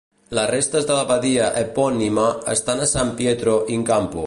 Les restes de l'abadia epònima estan a San Pietro in Campo.